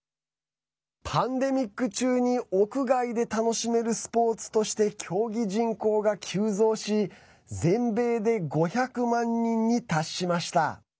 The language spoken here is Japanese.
パンデミック中に屋外で楽しめるスポーツとして競技人口が急増し全米で５００万人に達しました。